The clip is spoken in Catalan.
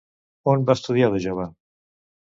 On va estudiar de jove?